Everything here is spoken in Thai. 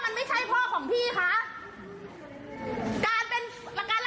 แต่มันใช้อารมณ์ที่จะจะว่าเป็นอะไร